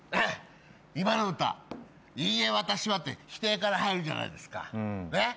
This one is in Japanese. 今の歌「いいえ私は」って否定から入るじゃないですか。